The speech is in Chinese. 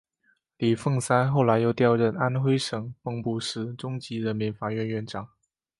李奉三后来又调任安徽省蚌埠市中级人民法院院长。